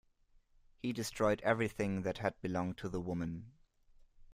He destroyed everything that had belonged to the woman.